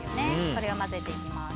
これを混ぜていきます。